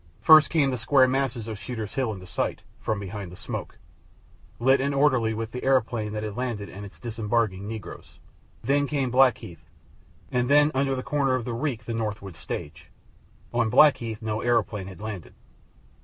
First came the square masses of Shooter's Hill into sight, from behind the smoke, lit and orderly with the aeroplane that had landed and its disembarking negroes. Then came Blackheath, and then under the corner of the reek the Norwood stage. On Blackheath no aeroplane had landed.